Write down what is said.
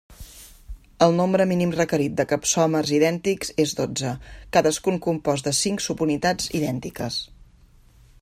El nombre mínim requerit de capsòmers idèntics és dotze, cadascun compost de cinc subunitats idèntiques.